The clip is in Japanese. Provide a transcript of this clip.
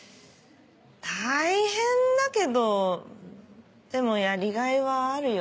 大変だけどでもやりがいはあるよ。